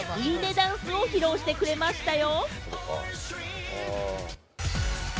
ダンスを披露してくれましたよ。